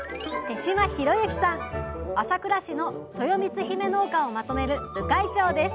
朝倉市のとよみつひめ農家をまとめる部会長です